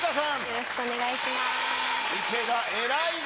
よろしくお願いします。